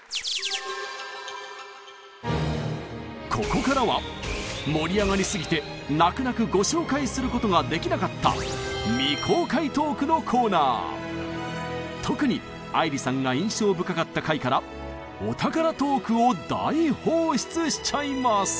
ここからは盛り上がりすぎて泣く泣くご紹介することができなかった特に愛理さんが印象深かった回からお宝トークを大放出しちゃいます！